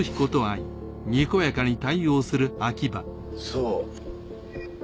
そう。